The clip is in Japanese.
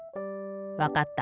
わかった。